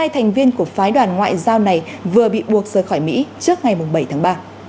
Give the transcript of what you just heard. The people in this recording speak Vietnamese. hai thành viên của phái đoàn ngoại giao này vừa bị buộc rời khỏi mỹ trước ngày bảy tháng ba